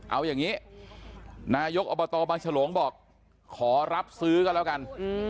เอาอย่างนี้นายกอบตบางฉลงบอกขอรับซื้อก็แล้วกัน